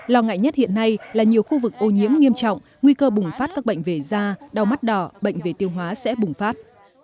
lo ngại nhất hiện nay là nhiều khu vực ô nhiễm nghiêm trọng nguy cơ bùng phát các bệnh về da đau mắt đỏ bệnh về tiêu hóa sẽ bùng phát